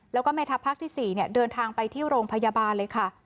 แล้วก็แม่ทัพภาคที่๔เดินทางไปที่โรงพยาบาลเลยค่ะ